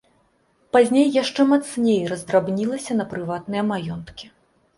Пазней яшчэ мацней раздрабнілася на прыватныя маёнткі.